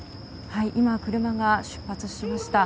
車が出発しました。